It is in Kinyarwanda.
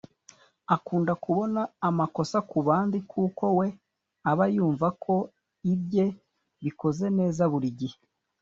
Akunda kubona amakosa ku bandi kuko we aba yumva ko ibye bikoze neza buri gihe